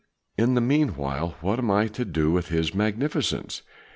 In the meanwhile what am I to do with his Magnificence?